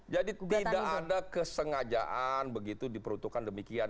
jadi tidak ada kesengajaan begitu diperuntukkan demikian